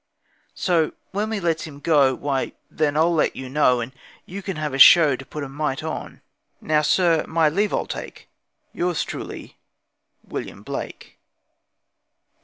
'So when we lets him go, Why, then, I'll let you know, And you can have a show To put a mite on. Now, sir, my leave I'll take, Yours truly, William Blake.